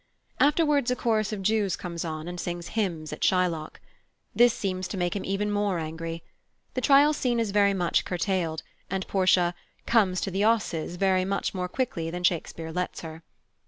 Afterwards a chorus of Jews comes on and sings hymns at Shylock. This seems to make him even more angry. The Trial scene is very much curtailed, and Portia "comes to the 'osses" very much more quickly than Shakespeare lets her.